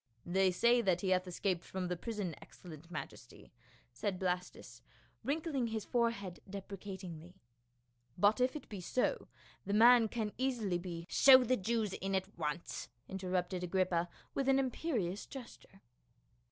" They say that he hath escaped from the prison, excellent majesty," said Blastus, wrinkling his fore head deprecatingly, " but if it be so, the man can easily be —"" Show in the Jews at once," interrupted Agrippa with an imperious gesture.